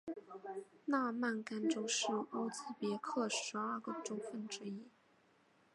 纳曼干州是乌兹别克十二个州份之一。